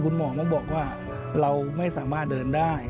คุณหมอก็บอกว่าเราไม่สามารถเดินได้